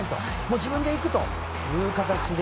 自分で行くという形で。